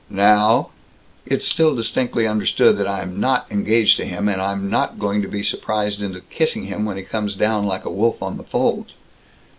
Now: "It's still distinctly understood that I am not engaged to him, and I'm not going to be surprised into kissing him when he comes down like a wolf on the fold."